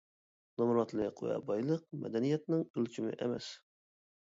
نامراتلىق ۋە بايلىق مەدەنىيەتنىڭ ئۆلچىمى ئەمەس.